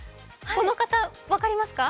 この方分かりますか？